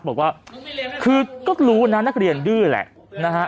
บอกว่าคือก็รู้นะนักเรียนดื้อแหละนะฮะ